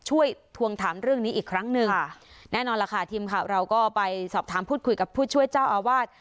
ทวงถามเรื่องนี้อีกครั้งหนึ่งค่ะแน่นอนล่ะค่ะทีมข่าวเราก็ไปสอบถามพูดคุยกับผู้ช่วยเจ้าอาวาส